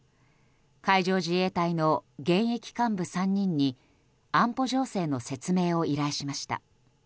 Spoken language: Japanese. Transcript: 海上自衛隊の現役幹部３人に安保情勢の説明を依頼しました。